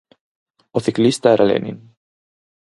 O ciclista era Lenin.